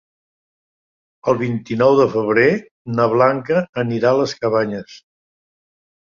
El vint-i-nou de febrer na Blanca anirà a les Cabanyes.